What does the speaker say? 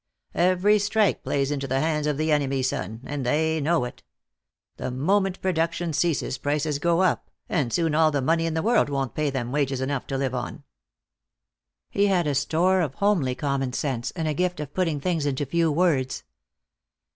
Every strike plays into the hands of the enemy, son, and they know it. The moment production ceases prices go up, and soon all the money in the world won't pay them wages enough to live on." He had a store of homely common sense, and a gift of putting things into few words.